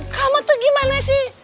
kamu tuh gimana sih